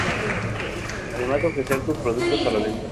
Además de ofrecer sus productos a la venta.